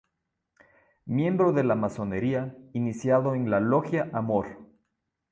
Miembro de la masonería iniciado en la Logia Amor.